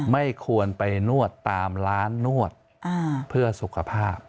ไม่ควรไปนวดตามร้านนวดเพื่อสุขภาพ